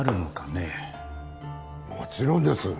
もちろんです。